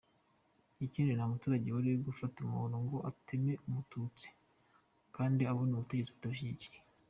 Ikindi nta muturage wari gufata umuhoro ngo ateme umututsi kandi abona ubutegetsi butabishyigikiye".